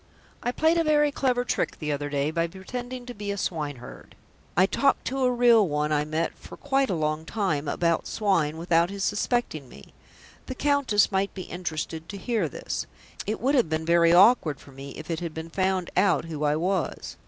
"I played a very clever trick the other day by pretending to be a swineherd. I talked to a real one I met for quite a long time about swine without his suspecting me. The Countess might be interested to hear this. It would have been very awkward for me if it had been found out who I was.